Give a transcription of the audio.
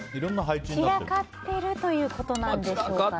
散らかってるということなんでしょうか。